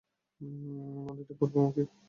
মন্দিরটি পূর্বমুখী।